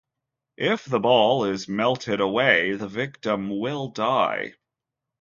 If the ball is melted away, the victim will die.